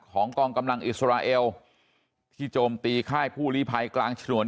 กองกำลังอิสราเอลที่โจมตีค่ายผู้ลีภัยกลางฉนวน